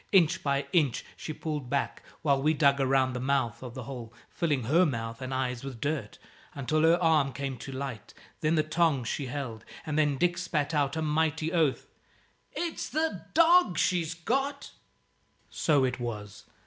Inch by inch she pulled back, while we dug around the mouth of the hole, filling her mouth and eyes with dirt, until her arm came to light, then the tongs she held; and then Dick spat out a mighty oath "It's the dog she's got!" So it was.